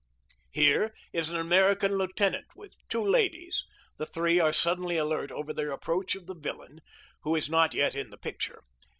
Here is an American lieutenant with two ladies. The three are suddenly alert over the approach of the villain, who is not yet in the picture.